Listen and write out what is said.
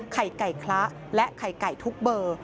ไข่ไก่คละและไข่ไก่ทุกเบอร์